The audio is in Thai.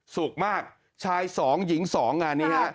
สุขมากชาย๒หญิง๒งานนี้ฮะ